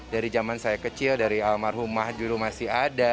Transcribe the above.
dari zaman saya kecil dari almarhumah juru masih ada